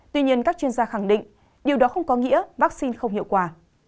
tuy nhiên các chuyên gia khẳng định điều đó không có nghĩa vaccine không hiệu quả